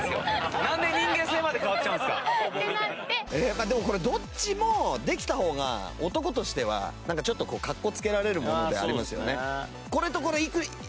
やっぱでもこれどっちもできた方が男としてはなんかちょっとこうかっこつけられるものではありますよね。